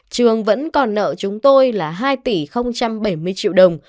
trường vẫn còn nợ chúng tôi là hai tỷ bảy mươi triệu đồng